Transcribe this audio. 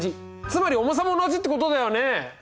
つまり重さも同じってことだよね！